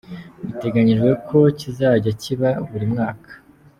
Biteganyijwe ko kizajya kiba buri mwaka.